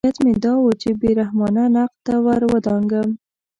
نیت مې دا و چې بې رحمانه نقد ته ورودانګم.